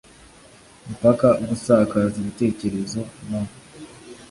mpaka gusakaza ibitekerezo no